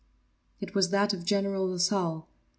It was that of General Lasalle.